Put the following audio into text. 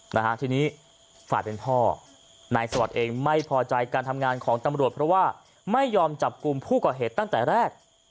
นะฮะทีนี้ฝ่ายเป็นพ่อนายสวัสดิ์เองไม่พอใจการทำงานของตำรวจเพราะว่าไม่ยอมจับกลุ่มผู้ก่อเหตุตั้งแต่แรก